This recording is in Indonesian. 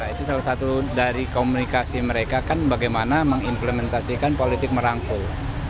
itu salah satu dari komunikasi mereka kan bagaimana mengimplementasikan politik merangkul